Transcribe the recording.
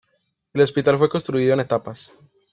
El hospital fue construido en etapas.